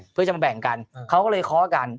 เพื่อจะมาแบ่งกันเขาก็เลยเคาะกัน